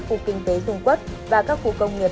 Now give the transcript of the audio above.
khu kinh tế dung quốc và các khu công nghiệp